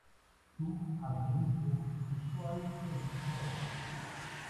Su Arzobispo actual es Mons.